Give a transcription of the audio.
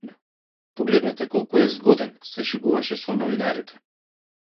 Погледнете колку е згоден, се шегуваше со новинарите.